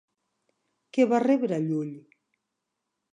Què va rebre Llull?